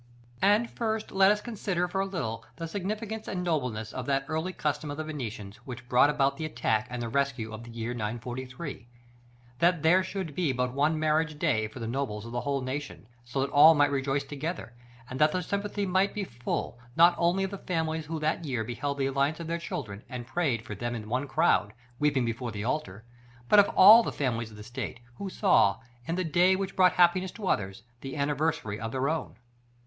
§ VII. And, first, let us consider for a little the significance and nobleness of that early custom of the Venetians, which brought about the attack and the rescue of the year 943: that there should be but one marriage day for the nobles of the whole nation, so that all might rejoice together; and that the sympathy might be full, not only of the families who that year beheld the alliance of their children, and prayed for them in one crowd, weeping before the altar, but of all the families of the state, who saw, in the day which brought happiness to others, the anniversary of their own.